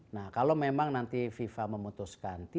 nah kalau memang nanti fifa memutuskan